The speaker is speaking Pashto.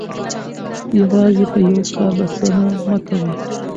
یوازې په یوه کار بسنه مه کوئ.